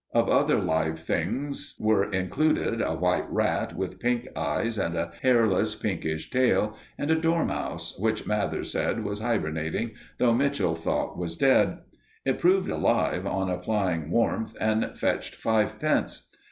Of other live things were included a white rat, with pink eyes and a hairless, pinkish tail, and a dormouse, which Mathers said was hibernating, though Mitchell thought was dead. It proved alive, on applying warmth, and fetched fivepence.